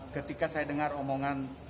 ketika saya dengar bahwa pendidikan ini berat